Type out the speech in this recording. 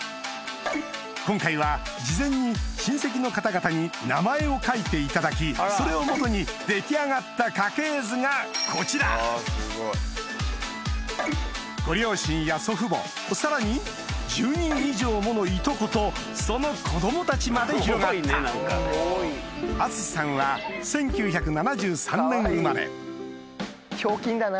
今回は事前に親戚の方々に名前を書いていただきそれをもとに出来上がった家系図がこちらご両親や祖父母さらに１０人以上ものいとことその子供たちまで広がった淳さんは１９７３年生まれひょうきんだな。